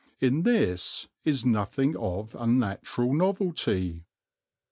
In this is nothing of unnatural novelty.